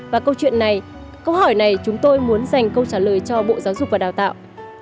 và câu chuyện này câu hỏi này chúng tôi muốn dành câu trả lời cho bộ giáo dục và đào tạo